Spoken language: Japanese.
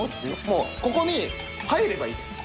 もうここに入ればいいです。